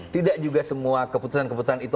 tidak juga semua keputusan keputusan itu